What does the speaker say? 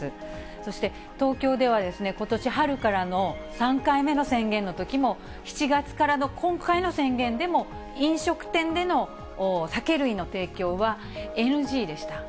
そして、東京ではことし春からの３回目の宣言のときも、７月からの今回の宣言でも、飲食店での酒類の提供は、ＮＧでした。